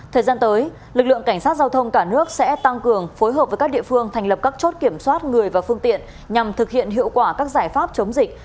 thời gian tới lực lượng cảnh sát giao thông cả nước sẽ tăng cường phối hợp với các địa phương thành lập các chốt kiểm soát người và phương tiện nhằm thực hiện hiệu quả các giải pháp chống dịch